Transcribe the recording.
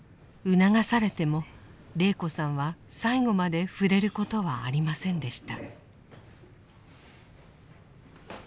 促されても禮子さんは最後まで触れることはありませんでした。